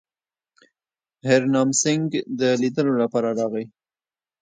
هرنام سینګه د لیدلو لپاره راغی.